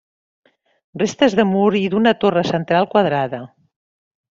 Restes de murs i d'una torre central quadrada.